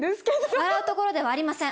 笑うところではありません。